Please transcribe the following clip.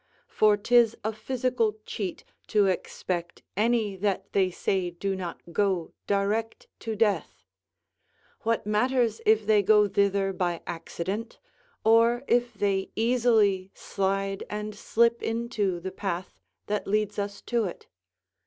for 'tis a physical cheat to expect any that they say do not go direct to death: what matters if they go thither by accident, or if they easily slide and slip into the path that leads us to it?